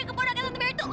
keponakan tante mary itu opi